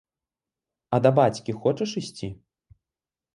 А да бацькі хочаш ісці?